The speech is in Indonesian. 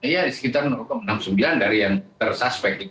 ya di sekitar enam puluh sembilan dari yang tersaspek